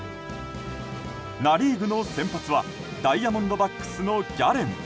ナ・リーグの先発はダイヤモンドバックスのギャレン。